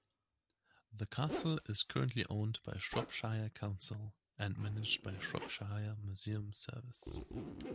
The castle is currently owned by Shropshire Council, and managed by Shropshire Museum Service.